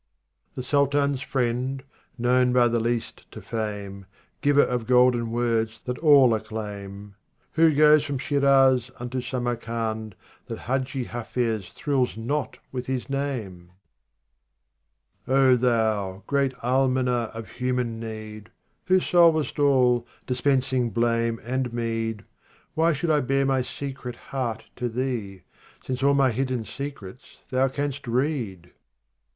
59 The Sultan's friend, known by the least to fame, Giver of golden words that all acclaim. Who goes from Shiraz unto Samarcand Tha.t Hadji IJafiz thrills not with his name ? 54 RUBAIYAT OF HAFIZ 60 O thou great Almoner of human need, Who solvest all, dispensing blame and meed, Why should I bare my secret heart to thee, Since all my hidden secrets thou canst read